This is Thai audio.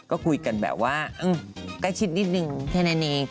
ก็คุยกันแบบว่าเอิ่มใกล้ชิดนิดหนึ่งแค่ในนี้